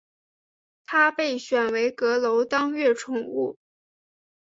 他被选为阁楼当月宠物。